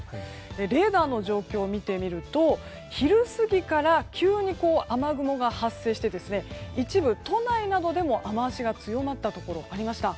レーダーの状況を見てみると昼過ぎがから急に雨雲が発生して一部、都内などでも雨脚が強まったところがありました。